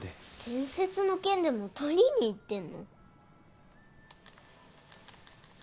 伝説の剣でも取りにいってんの？